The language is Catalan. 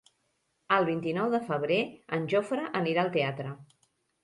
El vint-i-nou de febrer en Jofre anirà al teatre.